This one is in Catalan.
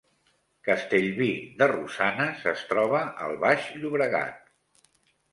Castellví de Rosanes es troba al Baix Llobregat